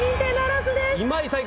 今井さん